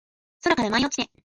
空から舞い落ちて